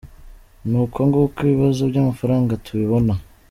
Ni uko nguko ibibazo by’amafaranga tubibona.